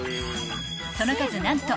［その数何と］